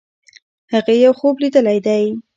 هغې یو خوب لیدلی دی.